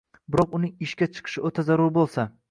biroq uning ishga chiqishi o‘ta zarur bo‘lsa